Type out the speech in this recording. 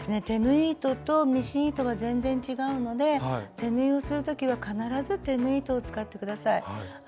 手縫い糸とミシン糸は全然違うので手縫いをする時は必ず手縫い糸を使って下さい。